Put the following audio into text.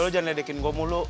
lu jangan ledekin gua mulu